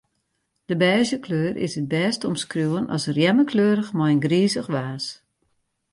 De bêzje kleur is it bêst te omskriuwen as rjemmekleurich mei in grizich waas.